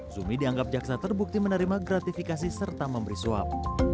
zumi dianggap jaksa terbukti menerima gratifikasi serta memberi suap